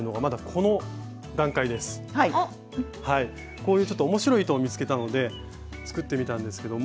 こういうちょっとおもしろい糸を見つけたので作ってみたんですけども。